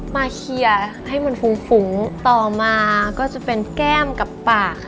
มาเขียนให้มันฟุ้งต่อมาก็จะเป็นแก้มกับปาก